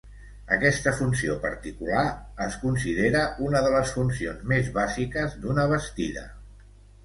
Aquesta funció particular es considera una de les funcions més bàsiques d'una bastida.